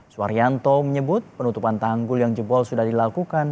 suharyanto menyebut penutupan tanggul yang jebol sudah dilakukan